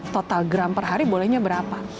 total gram per hari bolehnya berapa